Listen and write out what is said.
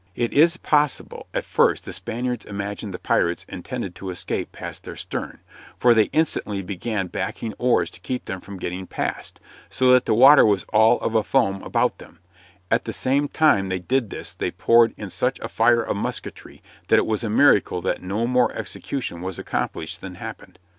It is possible at first the Spaniards imagined the pirates intended to escape past their stern, for they instantly began backing oars to keep them from getting past, so that the water was all of a foam about them; at the same time they did this they poured in such a fire of musketry that it was a miracle that no more execution was accomplished than happened.